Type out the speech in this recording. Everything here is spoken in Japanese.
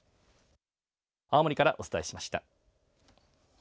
青森からお伝えしました。